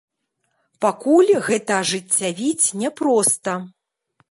Пакуль гэта ажыццявіць няпроста.